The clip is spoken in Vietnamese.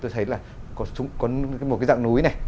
tôi thấy là có một cái dạng núi này